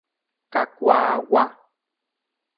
Kakuaagua.